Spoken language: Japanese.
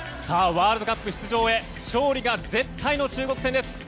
ワールドカップ出場へ勝利が絶対の中国戦です。